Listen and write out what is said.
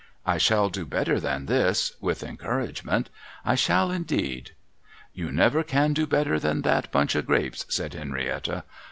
I shall do better than this, with encouragement. I shall indeed.' * You never can do better than that bunch of grapes,' said Henrietta.